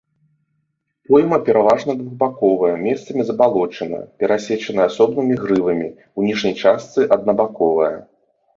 Пойма пераважна двухбаковая, месцамі забалочаная, перасечаная асобнымі грывамі, у ніжняй частцы аднабаковая.